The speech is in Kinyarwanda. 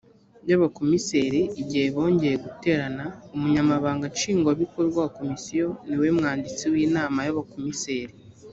y abakomiseri igihe bongeye guterana umunyamabanga nshingwabikorwa wa komisiyo niwe mwanditsi w inama y abakomiseri